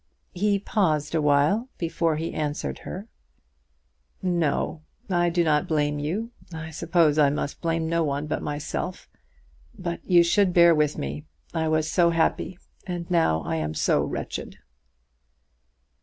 He paused awhile before he answered her. "No; I do not blame you. I suppose I must blame no one but myself. But you should bear with me. I was so happy, and now I am so wretched."